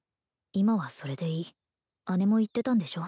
今はそれでいい姉も言ってたんでしょ？